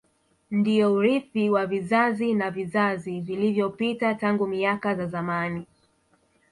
Ndiyo urithi wa vizazi na vizazi vilivyopita tangu miaka za zamani